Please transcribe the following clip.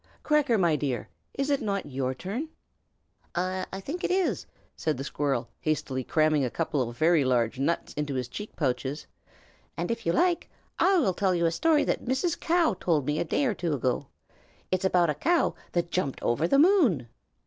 Cracker, my dear, is it not your turn?" "I think it is," said the squirrel, hastily cramming a couple of very large nuts into his cheek pouches, "and if you like, I will tell you a story that Mrs. Cow told me a day or two ago. It is about a cow that jumped over the moon."